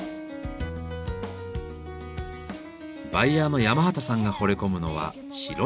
バイヤーの山端さんがほれ込むのは白い器。